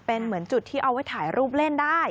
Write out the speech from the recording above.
เป็นเหมือนจุดที่เอาไว้ถ่ายรูปเล่นได้